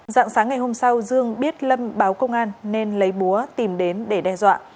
dạng sáng ngày hôm sau dương biết lâm báo công an nên lấy búa tìm đến để đe dọa